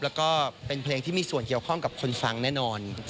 แล้วก็เป็นเพลงที่มีส่วนเกี่ยวข้องกับคนฟังแน่นอน